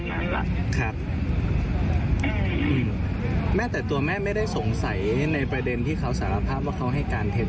และท่ะแต่ตัวแม่ไม่ซงใสตัวชมในประเมษมันจะครบ